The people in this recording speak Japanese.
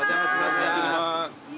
いってきます。